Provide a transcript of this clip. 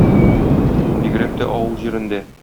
Бигрәк тә авыл җирендә.